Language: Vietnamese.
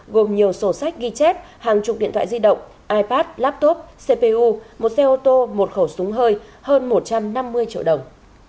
gồm nhiều sổ sách ghi chép hàng chục điện thoại di động ipad laptop cpu một xe ô tô một khẩu súng hơi hơn một trăm năm mươi triệu đồng